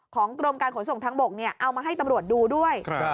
กรมการขนส่งทางบกเอามาให้ตำรวจดูด้วย